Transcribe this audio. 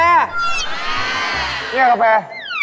นี่กาแฟ